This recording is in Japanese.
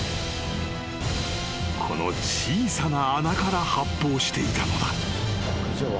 ［この小さな穴から発砲していたのだ］